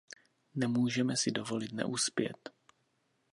Nemůžeme si dovolit neuspět.